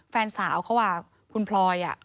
แฟนสาวเขาอ่ะคุณพลอยอ่ะ